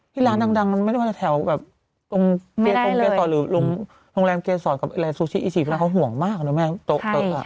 ที่ร้านดังมันไม่ได้ว่าจะแถวแบบตรงเกียรติศอดหรือโรงแรมเกียรติศอดกับอะไรซูชิอิชิเพราะว่าเขาห่วงมากนะแม่โต๊ะโต๊ะ